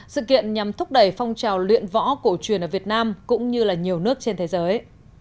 sự kiện nhằm thúc đẩy phong trào luyện võ cổ truyền ở việt nam cũng như nhiều nước trên thế giới